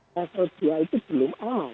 kasus dia itu belum aman